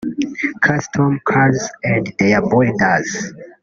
Custom Cars and their Builders